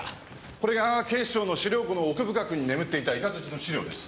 これが警視庁の資料庫の奥深くに眠っていたイカズチの資料です。